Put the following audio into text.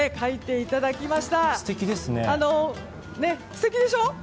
すてきでしょ？